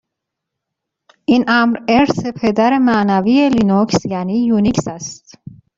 این امر، ارث پدر معنوی لینوکس یعنی یونیکس است.